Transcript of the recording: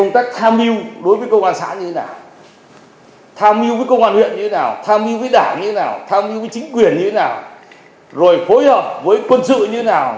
tham mưu với chính quyền như thế nào rồi phối hợp với quân sự như thế nào